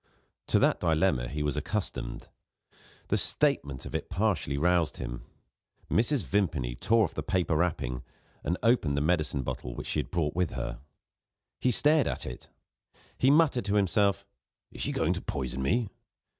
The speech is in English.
To that dilemma he was accustomed; the statement of it partially roused him. Mrs. Vimpany tore off the paper wrapping, and opened the medicine bottle which she had brought with her. He stared at it; he muttered to himself: "Is she going to poison me?"